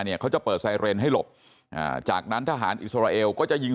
เขาจะเปิดไซเรนให้หลบอ่าจากนั้นทหารอิสราเอลก็จะยิง